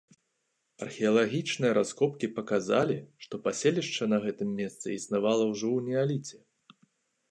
Археалагічныя раскопкі паказалі, што паселішча на гэтым месцы існавала ўжо ў неаліце.